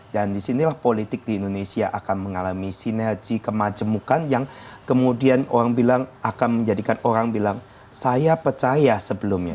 dan di sinilah politik di indonesia akan mengalami sinergi kemajemukan yang kemudian orang bilang akan menjadikan orang bilang saya percaya sebelumnya